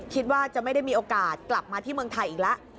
คิดว่าจะไม่ได้มีโอกาสกลับมาที่เมืองไทยอีกแล้ว